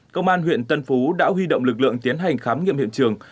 công an huyện tân phú đã huy động lực lượng tiến hành khám nghiệm hiện trường